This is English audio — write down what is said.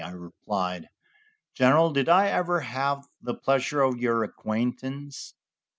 I replied: "General, did I ever have the pleasure of your acquaintance?"